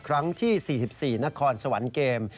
ครั้งที่๔๔นครสวรรค์เกม